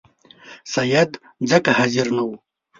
سید ځکه حاضر نه وو.